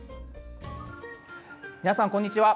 皆さん、こんにちは。